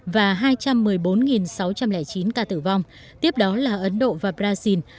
và hai trăm một mươi bốn sáu trăm linh chín ca tử vong tiếp đó là ấn độ và brazil